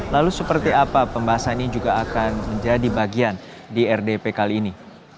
lalu seperti apa pembahasan ini juga akan menjadi bagian di rdp kali ini